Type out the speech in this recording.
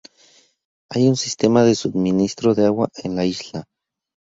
Hay un sistema de suministro de agua en la isla.